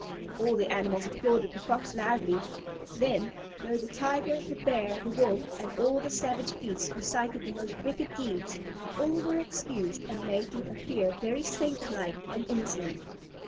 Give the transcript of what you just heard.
All the animals applauded the Fox loudly. Then, though the Tiger, the Bear, the Wolf, and all the savage beasts recited the most wicked deeds, all were excused and made to appear very saint like and innocent.